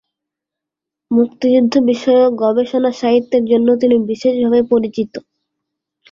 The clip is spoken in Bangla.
মুক্তিযুদ্ধ বিষয়ক গবেষণা সাহিত্যের জন্য তিনি বিশেষভাবে পরিচিত।